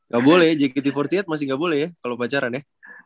gak boleh jkt empat puluh delapan masih nggak boleh ya kalau pacaran ya